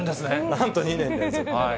なんと２年連続。